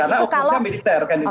karena hukumnya militer kan itu